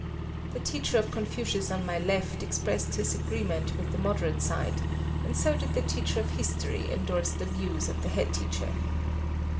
The teacher of Confucius on my left expressed his agreement with the moderate side, and so did the teacher of history endorse the views of the head teacher.